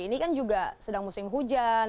ini kan juga sedang musim hujan